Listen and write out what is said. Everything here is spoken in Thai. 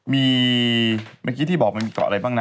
มีเมื่อกี้ที่บอกมันมีเกาะอะไรบ้างนะ